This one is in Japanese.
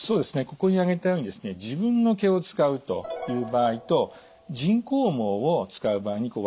ここに挙げたようにですね自分の毛を使うという場合と人工毛を使う場合に分けられるんですね。